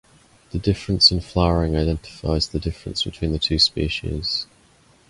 The difference in flowering identifies the difference between the two species.